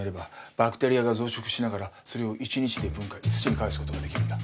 バクテリアが増殖しながらそれを一日で分解土にかえすことができるんだ。